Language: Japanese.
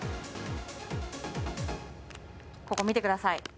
ここ見てください。